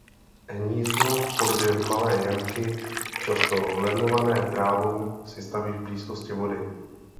Hnízdo v podobě malé jamky často lemované trávou si staví v blízkosti vody.